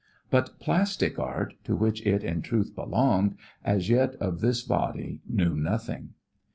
But plastic art, to which it in truth belonged, as yet of this body knew nothing.